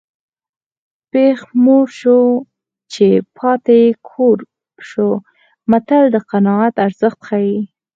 پښ موړ شو چې پاته یې کور شو متل د قناعت ارزښت ښيي